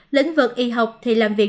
lĩnh vực y học thì làm việc